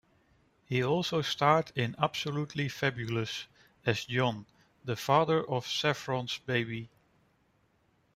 He also starred in Absolutely Fabulous as John, the father of Saffron's baby.